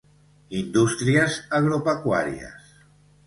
Indústries agropecuàries.